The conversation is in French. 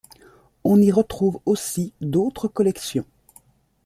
On y retrouve aussi d'autres collections.